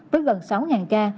với gần sáu ca